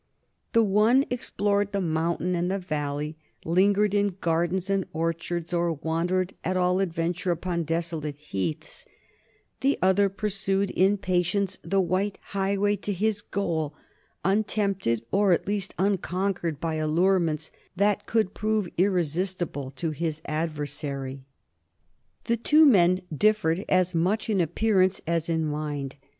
The one explored the mountain and the valley, lingered in gardens and orchards, or wandered at all adventure upon desolate heaths; the other pursued in patience the white highway to his goal, untempted or at least unconquered by allurements that could prove irresistible to his adversary. [Sidenote: 1780 The character of the younger Pitt] The two men differed as much in appearance as in mind.